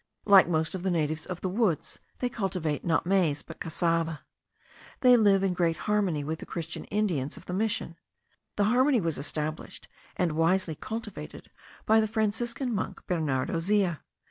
Like most of the natives of the woods, they cultivate, not maize, but cassava; and they live in great harmony with the Christian Indians of the mission. The harmony was established and wisely cultivated by the Franciscan monk, Bernardo Zea.